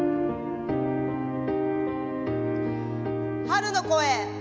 「春の声」。